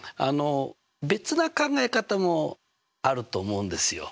別な考え方もあると思うんですよ。